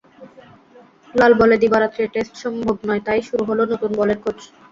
লাল বলে দিবারাত্রির টেস্ট সম্ভব নয়, তাই শুরু হলো নতুন বলের খোঁজ।